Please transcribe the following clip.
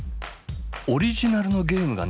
オリジナルのゲームが７３！